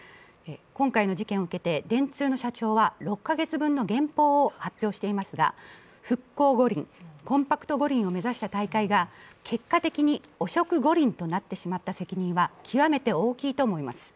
今回の事件を受けて電通の社長は６か月分の減俸を発表していますが復興五輪、コンパクト五輪を目指した大会が結果的に汚職五輪となってしまった責任は極めて大きいと思います。